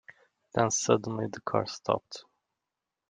Then suddenly the car stopped.